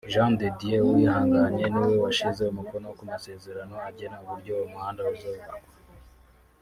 Jean de Dieu Uwihanganye niwe washyize umukono ku masezerano agena uburyo uwo muhanda uzubakwa